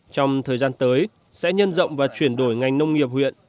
trong thời gian tới sẽ nhân rộng và chuyển đổi ngành nông nghiệp huyện